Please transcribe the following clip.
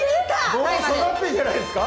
もう育ってんじゃないですか？